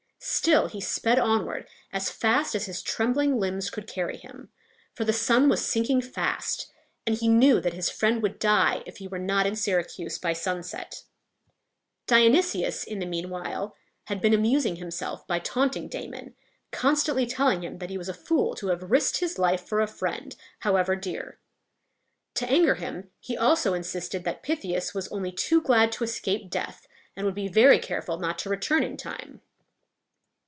Still he sped onward as fast as his trembling limbs could carry him; for the sun was sinking fast, and he knew that his friend would die if he were not in Syracuse by sunset. [Illustration: Damon and Pythias.] Dionysius, in the mean while, had been amusing himself by taunting Damon, constantly telling him that he was a fool to have risked his life for a friend, however dear. To anger him, he also insisted that Pythias was only too glad to escape death, and would be very careful not to return in time.